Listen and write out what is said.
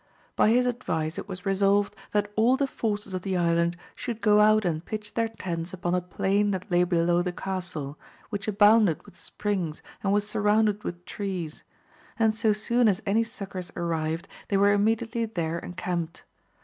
By his advice it was resolved that all the forces of the island should go out and pitch their tents upon a plain that lay below the castle, which abounded with springs and was surrounded with trees ; and so soon as any succours arrived they were immediately there encamped.